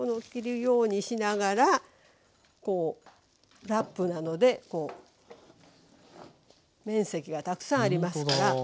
切るようにしながらこうラップなので面積がたくさんありますから。